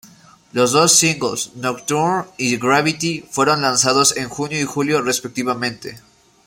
Los dos singles "Nocturne" y "Gravity", fueron lanzados en junio y julio, respectivamente.